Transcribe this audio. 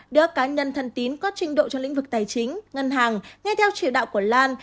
đưa cá nhân thân tín có trình độ cho lĩnh vực tài chính ngân hàng nghe theo chỉ đạo của lan